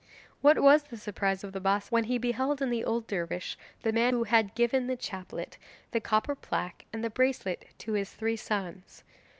What was the surprise of the Bassa when he beheld in the old dervish the man who had given the chaplet, the copper plaque, and the bracelet to his three sons.